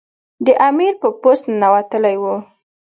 د امیر په پوست ننوتلی وو.